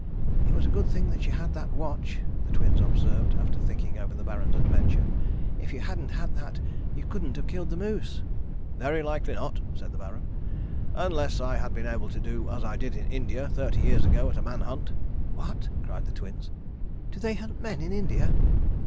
"It was a good thing you had that watch," the Twins observed, after thinking over the Baron's adventure. "If you hadn't had that you couldn't have killed the moose." "Very likely not," said the Baron, "unless I had been able to do as I did in India thirty years ago at a man hunt." "What?" cried the Twins. "Do they hunt men in India?"?